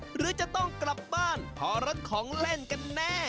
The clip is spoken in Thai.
หรือจะต้องกลับบ้านเพราะรถของเล่นกันแน่